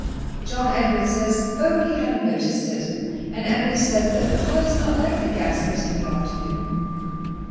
John Edward says, "Oh!" he hadn't noticed it; and Emily says that papa does not like the gas lit in the afternoon.